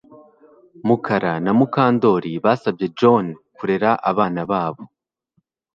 Mukara na Mukandoli basabye John kurera abana babo